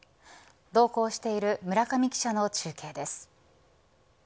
同行している村上記者の中継です。